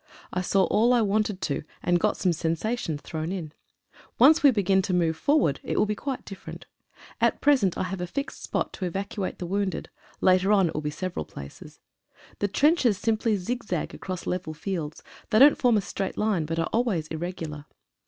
I saw all I wanted to, and got some sensations thrown in. Once we begin to move forward it will be quite different. At present I have a fixed spot to evacuate the wounded, later on it will be several places. The trenches simply zigzag across level fields. They don't form a straight line, but are always irregular.